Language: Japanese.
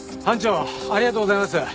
班長ありがとうございます。